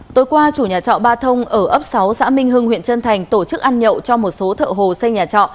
tối qua chủ nhà trọ ba thông ở ấp sáu xã minh hưng huyện trân thành tổ chức ăn nhậu cho một số thợ hồ xây nhà trọ